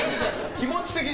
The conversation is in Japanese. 気持ち的に？